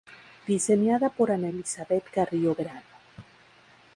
Diseñada por Ana Elizabeth Carrillo Verano.